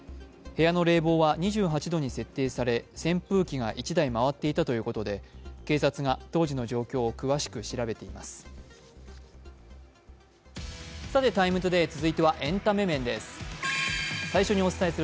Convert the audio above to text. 部屋の冷房は２８度に設定され、扇風機が１台回っていたということで、警察が当時の状況を詳しく調べています。